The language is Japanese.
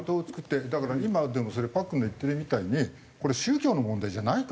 だから今でもそれパックンが言ってるみたいにこれ宗教の問題じゃないからね。